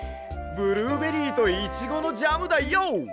ブルーベリーとイチゴのジャムだＹＯ！